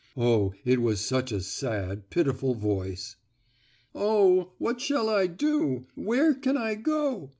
Oh, it was such a sad, pitiful voice. "Oh, what shall I do? Where can I go?"